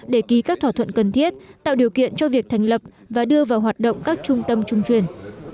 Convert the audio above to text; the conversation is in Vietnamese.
để ký các thỏa thuận cần thiết tạo điều kiện cho việc thành lập và đưa vào hoạt động các trung tâm trung truyền